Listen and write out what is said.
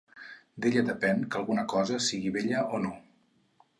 D'ella depèn que alguna cosa sigui bella o no.